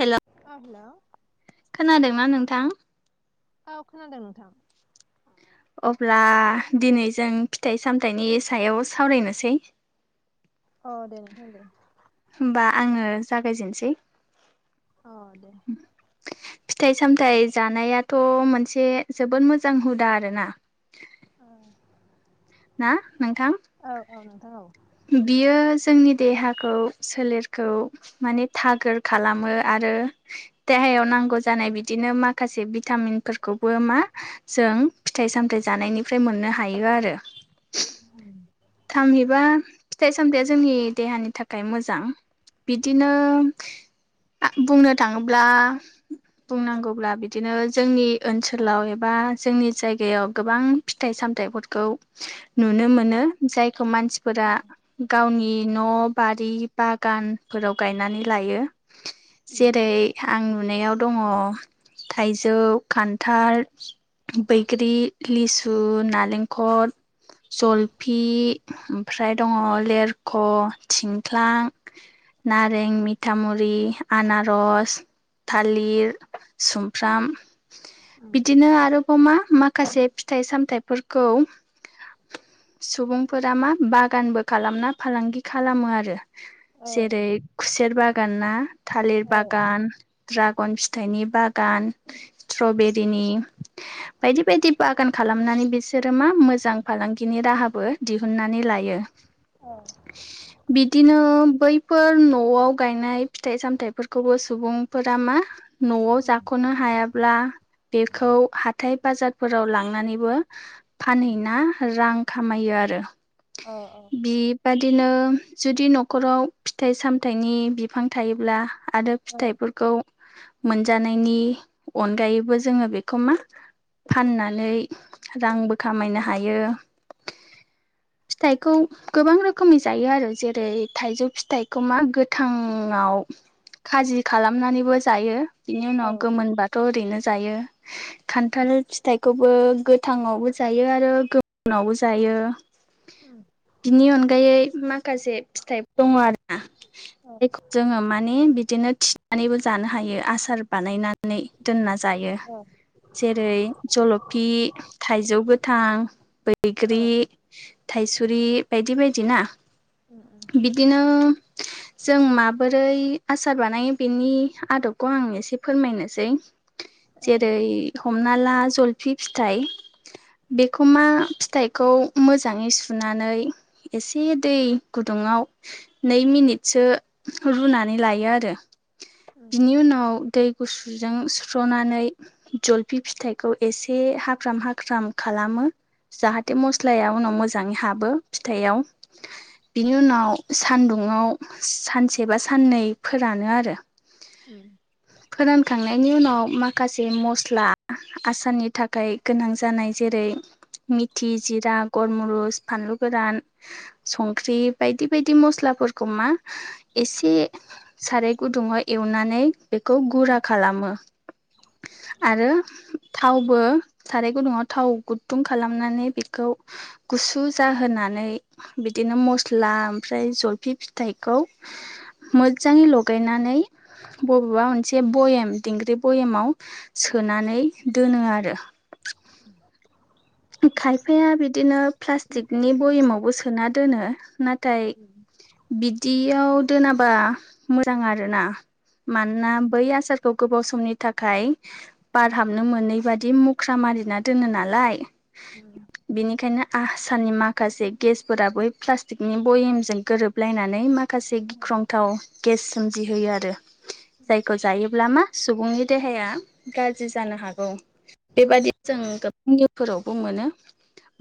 हेल' आ हेल' खोनादोंना नोंथां? औ खोनादों नोंथां अब्ला दिनै जों फिथाइ सामथाइनि सायाव सावरायनोसै औ दे नोंथां दे होमबा आङो जागायजेनोसै। औ दे फिथाइ सामथाय जानायाथ' मोनसे जोबोद मोजां हुदा आरो ना। औ ना नोंथां औ औ नोंथां औ बियो जोंनि देहाखौ सोलेरखौ माने थागोर खालामो आरो देहायाव नांगौ जानाय बिदिनो माखासे भिटामिनफोरखौबो मा जों फिथाइ सामथायाइ जानायनिफ्राय मोननो हायो आरो। [inaudible] थामहिबा फिथाइ सामथायाइया जोंनि देहानि थाखाय मोजां। बिदिनो बुंनो थाङोब्ला बुंनांगौब्ला बिदिनो जोंनि ओनसोलाव एबा जोंनि जायगायाव गोबां फिथाइ सामथायाइफोरखौ नुनो मोनो जायखौ मानसिफोरा गावनि न' बारि बागानफोराव गायनानै लायो। उम जेरै आं नुनायाव दङ' थाइजौ खान्थाल बैग्रि, लिसु, नालेंखल, जल फि ओमफ्राय दङ' लेरख', थिंख्लां नारें, मिथामुरि, आनारस थालिर, सुमफ्राम उम बिदिनो आरोबाव मा माखासे फिथाइ सामथायाइफोरखौ सुबुंफोरा मा बागानबो खालामना फालांगि खालामो आरो। औ जेरै खुसेर बागान ना थालिर औ औ बागान द्राग गन फिथाइनि बागान स्ट्रबेरिनि बायदि बायदि बागान खालामनानै बिसोरो मा मोजां फालांगिनि राहा बो दिहुननानै लायो। औ बिदिनो बैफोर न'आव गायनाय फिथाइ सामथायाइफोरखौबो सुबुंफोरा मा न'आव उम जाख'नो हायाब्ला बेखौ हाथाय बाजारफोराव लांनानैबो उम फानहैना रां खामायो आरो औ औ बेबादिनो जुदि न'खराव फिथाइ सामथायाइनि बिफां थायोब्ला आरो औ फिथाइफोरखौ मोनजानायनि अनगायैबो जोङो बेखौ मा फाननानै रांबो खामायनो हायो फिथाइखौ गोबां रोखोमनि जायो आरो जेरै थाइजौ फिथाइखौ मा गोथाङाव खाजि खालामनानैबो जायो बिनि औ उनाव गोमोन बा थ' ओरैनो जायो। खान्थाल फिथखौबो गोथांवबो जायो आरो गो उनावबो जायो उम बिनि अनगायै माखासे फिथाइ दङ' आ औ [unintelligible] जोङो माने बिदिनो थिनानैबो जानो हायो आसार बानायनानै दोनना जायो औ जेरै जलफि, थाइजौ गोथां बैग्रि, थाइसुरि बायदि बायदिना उम बिदिनो जों माबोरै आसार बानायो बेनि आदबखौ आं एसे फोरमायनोसै औ उम जेरै हमना ला जलफि फिथाइ बेखौ मा फिथ फिथाइखौ मोजाङै सुनानै एसे दै गुदुङाव नै मिनिटसो रुनानै लायो आरो उम बिनि उनाव दै गुसुजों सुस्र'नानै जलफि फिथाइखौ एसे हाख्राम हाख्राम खालामो जाहाथे मस्लाया उनाव मोजाङै हाबो फिथायाव बिनि उनाव सानदुंआव सानसे बा साननैफोरानो आरो उम फोरानखांनायनि उनाव माखासे मस्ला आसामनि थाखाय गोनां जानाय जेरै मिथि जिरा गरमुरुस फानलु गोरान। संख्रि बायदि बायदि मस्लाफोरखौ मा एसे साराय गुदुङाव एवनानै बेखौ गुरा खालामो आरो थावबो साराय गुदुङाव थाव गुदुं खालामनानै बेखौ गुसु जाहोनानै बिदिनो मस्ला ओमफ्राय जलफि फिथाइखौ मोजाङै लगायनानै बबेबा मोनसे भयेम दिंग्रि बयेमाव सोनानै दोनो आरो खायफाया बिदिनो प्लास्टिकनि बयेमावबो सोना दोनो ना? नाथाय उम बिदियाव दोनाबा मोजां आरोना? मानोना बै आसारखौ गोबाव समनि थाखाय बारहाबनो मोनै बादि मुख्रा मारिना दोनो नालाय। उम बिनिखायनो आसारनि माखासे गेसफोर बै प्लास्टिकनि भयेमजों गोरोबलायनानै माख माखासे गिख्रंथाव गेस सोमजिहोयो आरो जायखौ जायोब्ला मा सुबुंनि देहाया गाज्रि जानो हागौ बेबादि जों गोबां निउफोराव बुं मोनो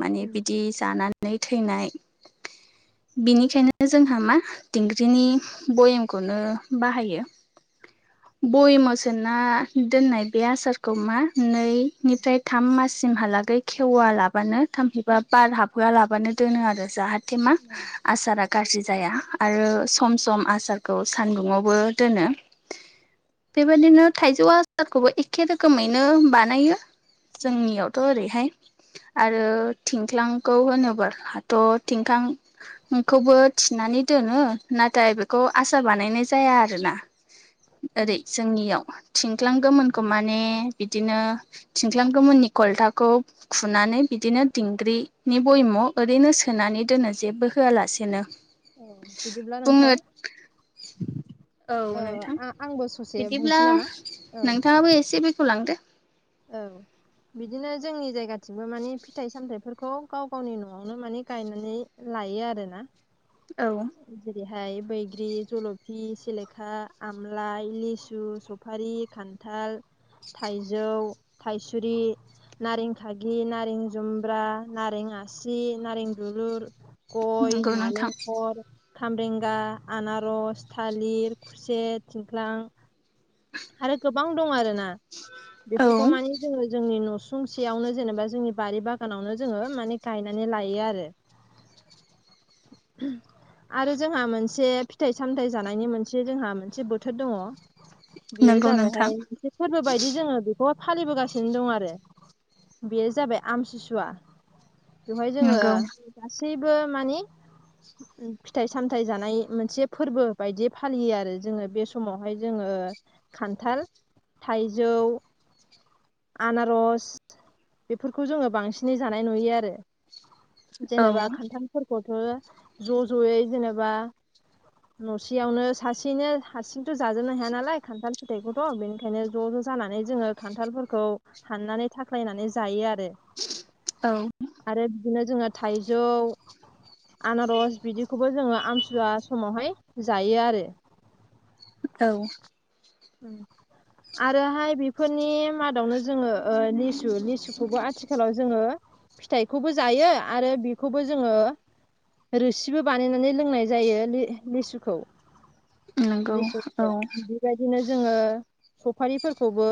माने उम बिदि जानानै थैनाय। बिनिखायनो जोंहा मा दिंग्रिनि भयेमखौनो बाहायो। बयामाव सोना दोननाय बे आसारखौ मा नै निफ्राय थाम माससिम हालागै खेवा लाबानो थामहैबा बार हाबहोआ लाबानो दोनो आरो जाहाथे थेमा आसारा गाज्रि जाया। आरो सम सम आसारखौ सानदुंङावबो दोनो। बेबायदिनो थाइजौ आसारखौबो एखे रोखोमैनो बानायो। उम जोंनियावथ' ओरैहाय आरो थिंख्लांखौ होनोब्ला हाथ' थिंख्लां खौबो थिनानै दोनो नाथाय बेखौ आसार बानायनाय जाया आरोना? ओरै उम जोंनियाव थिंख्लां गोमोनखौ माने बिदिनो थिंख्लां गोमोननि खलथाखौ खुनानै बिदिनो दिंग्रिनि बयामाव'ओरैनो सोनानै दोनो जेबो होआलासेनो औ बिदिब्ला बुंनो नोंथां औ ओ नोंथां आ आंबो ससे बिदिब्ला बुंसै नामा औ नोंथाङाबो एसे बेखौ लांदो। औ [inaudible] बिदिनो जोंनि जायगाथिंबो माने फिथाइ सामथाइफोरखौ गाव गावनि न'आवनो मानि गायनानै लायो आरो ना? औ जेरैहाय बैग्रि जलफि सिलेखा आमलाइ लिसु सुफारि खान्थाल थाइजौ थाइसुरि नारें खागि नारें जुमब्रा नारें आसि नारें दुलुर गय नंगौ नोंथां नालेंखर खामब्रेंगा आनारस थालिर खुसेद थिंख्लां आरो गोबां दं आरोना औ बेफोरखौ मानि जोङो जोंनि नस फुंसेयावनो जेनेबा जोंनि बारि बागानावनो जोङो माने गायनानै लायो आरो [unintelligible] आरो जोंहा मोनसे फिथाइ सामथाइ जानायनि मोनसे जोंहा मोनसे बोथोर दङ। बियो नंगौ नोंथां जाबायहाय इसे फोरबो बायदि जोङो बेखौ फालिबोगासिनो दं आरो बेयो जाबाय आमथिसुवा बेवहाय जोङो नंगौ गासैबो माने फिथाइ सामथाइ जानाय मोनसे फोरबो बायदि फालियो आरो जोङो बे समावहाय जोङो खान्थाल थाइजौ आनारस बेफोरखौ जोङो बांसिनै जानाय नुयो आरो औ जेनेबा खान्थाम फोरखौथ ज जयै जेनेबा नसेयावनो सासेनो हारसिंथ जाजोबनो हाया नालाय खान्थाल फिथाइखौथ बेनिखायनो ज ज जानानै जोङो खान्थालफोरखौ हाननानै थाख्लायनानै जायो आरो औ आरो बिदिनो जोङो थाइजौ आनारस बिदिखौबो जोङो आमसुवा समावहाय जायो आरो औ उम आरोहाय बेफोरनि मादावनो जोङो ओ‌ लिसु लिसुखौबो आथिखालाव जोङो फिथाइखौबो जायो आरो बिखौबो जोङो रोसिबो बानायनानै लोंनाय जायो लि‌ लिसुखौ नंगौ लिसु औ फिथाया बिबायदिनो जोङो सफारिफोरखौबो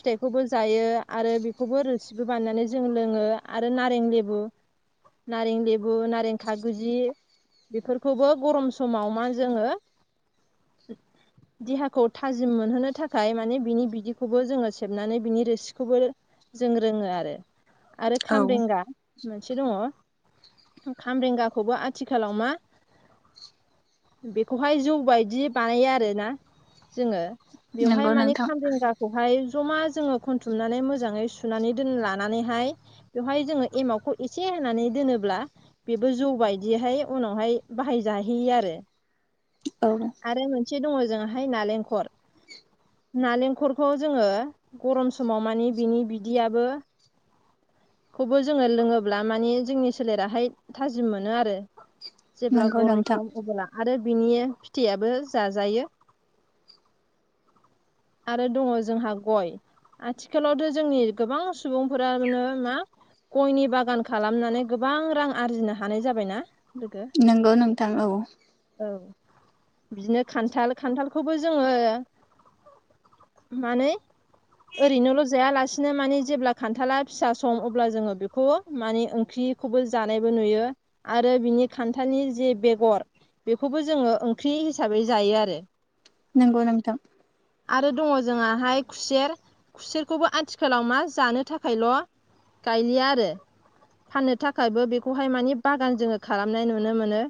फिथाइखौबो जायो आरो बेखौबो रोसिबो बानायनानै जों लोङो आरो नारें लेबु नारें लेबु नारें खागुजि बेफोरखौबो गरम समाव मा जोङो देहाखौ थाजिम मोनहोनो थाखाय माने बिनि बिदिखौबो जोङो सेबनानै बिनि रोसिखौबो जों रोङो आरो आरो औ खामरेंगा मोनसे दङ खामरेंगाखौबो आथिखालाव मा बेखौहाय जौ बायदि बानायो आरो ना जोङो नंगौ बेवहाय मानि नोंथां खामरेंगाखौ खौहाय जमा जोङो खनथुमनानै मोजाङै सुनानै दोन लानानैहाय बेवहाय जोङो एमावखौ एसे होनानै दोनोब्ला बेबो जौ बायदिहाय उनावहाय बाहायजाहैयो आरो औ ओमफ्राय मोनसे दङ जोङाहाय नालेंखर नालेंखरखौ जोङो गरम समाव मानि बिनि बिदियाबो खौबो जोङो लोङोब्ला मानि जोंनि सोलेराहाय थाजिम मोनो आरो जेब्ला नंगौ गरम नोंथां सम अब्ला आरो बिनि फिथाइयाबो जाजायो आरो दङ जोंहा गय आथिखालावथ‌ जोंनि गोबां सुबुंफोरा नो मा गयनि बागान खालामनानै गोबां रां आर्जिनो हानाय जाबाय ना नोंगौ नोंथां औ औ बिदिनो खान्थाल खान्थालखौबो जोङो मानो ओरैनोल जायालासिनो माने जेब्ला खान्थाला फिसा सम अब्ला जोङो बेखौ मानि ओंख्रिखौबो जानायबो नुयो आरो बिनि खान्थालनि जि बेगर बेखौबो जोङो ओंख्रि हिसाबै जायो आरो नंगौ नोंथां आरो दङ जोङाहाय खुसेर खुसेरखौबो आथिखालाव मा जानो थाखायल' गायलिया आरो फाननो थाखायबो बेखौहाय मानिे बागान जोङो खालामनाय नुनो मोनो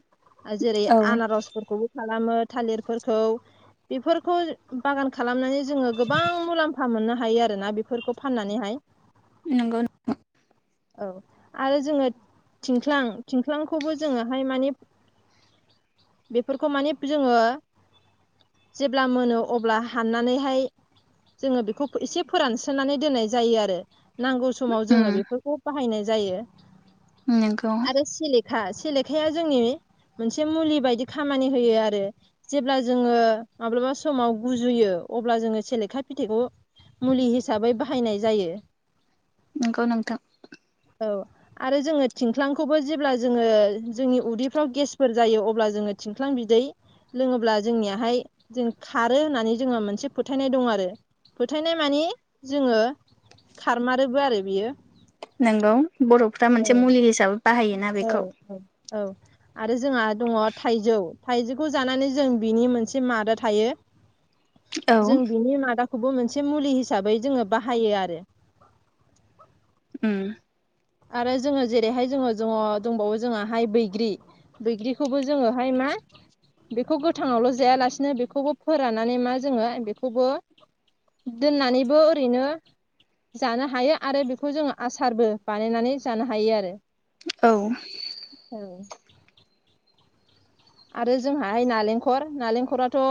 जेरै औ आनारसफोरखौबो खालामो थालिरफोरखौ बेफोरखौ बागान खालामनानै जोङो गोबां मुलाम्फा मोननो हायो आरो ना बेफोरखौ फाननानैहाय नंगौ औ आरो जोङो थिंख्लां थिंख्लांखौबो जोङोहाय माने बेफोरखौ माने जोङो जेब्ला मोनो अब्ला हाननानैहाय जोङो बेखौ एसे फोरानस्रोनानै दोननाय जायो आरो नांगौ समाव उम जोङो बेफोरखौ बाहायनाय जायो नंगौ आरोे खा सेलेखाया जोंनि मोनसे मुलि बायदि खामानि होयो आरो जेब्ला जोङो माब्लाबा समाव गुजुयो अब्ला जोङो सेलेखा फिथाइखौ मुलि हिसाबै बाहायनाय जायो नोंगौ नोंथां औ आरो जोङो थिंख्लांखौबो जेब्ला जोङो जोंनि उदैफ्राव गेसफोर जायो अब्ला जोङो थिंख्लां बिदै लोङोब्ला जोंनियाहाय जों खारो होननानै जोङहा मोनसे फोथायनाय दं आरो फोथायनाय मानिे जोङो खारमारोबो आरो बियो नोंगौ बरफ्रा औ मोनसे मुलि हिसाबै बाहायोना औ बेखौ औ औ आरो जोंहा दङ थाइजौ थाइजौखौ जानानै जों बिनि मोनसे मादा थायो [inaudible] जों बिनि मादाखौबो मोनसे मुलि हिसाबै जोङो बाहायो आरो उ आरो जोङो जेरैहाय जोङो जोङ दंबावो जोंङाहाय बैग्रि बैग्रिखौबो जोङोहाय मा बेखौ गोथाङावल' जायालासिनो बेखौबो फोराननानै मा जोङो बेखौबो दोननानैबो ओरैनो जानो हायो आरो बेखौ जोङो आसारबो बानायनानै जानो हायो आरो औ औ आरो जोंहाहाय नालेंखर नालेंखराथ'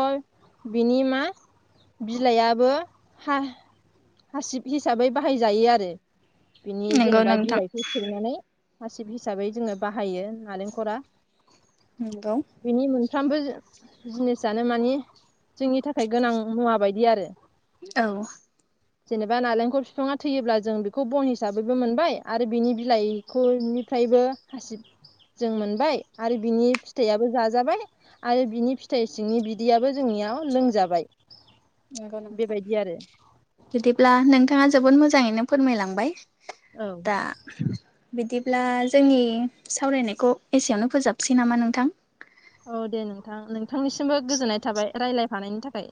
बिनि मा बिलाइाबो ह हासिब हिसाबै बाहायजायो आरो बिनि नंगौ जेनेबा नोंथां बिलाइ फै सैनानै हासिब हिसाबै जोङो बाहायो नारेंखरा नंगौ बिनि मोनफ्रोमबो जिनिसनो मानि जोंनि थाखाय गोनां मुवा बायदि आरो औ जेनेबा नालेंखर बिफाङा थैयोब्ला जों बेखौ बन हिसाबैबो मोनबाय आरो बिनि बिलाइखौनिफ्रायबो खासिब जों मोनबाय आरो बिनि फिथाइयाबो जाजाबाय आरो बिनि फिथाइ सिंनि बिदैयाबो जोंनियाव लोंजाबाय नंगौ नथां बेबायदि आरो बिदिब्ला नोंथाङा जोबोद मोजाङैनो फोरमायलांबाय औ दा बिदिब्ला जोंनि सावरायनायखौ एसेयावनो फोजोबसै नामा नोंथां? औ दे नोंथां नोंथांनिसिमबो गोजोननाय थाबाय रायज्लायफानायनि थाखाय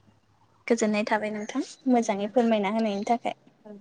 गोजोननाय थाबाय नोंथां औ दे मोजाङै फोरमायना होनायनि थाखाय औ